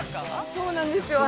◆そうなんですよ。